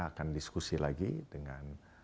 akan diskusi lagi dengan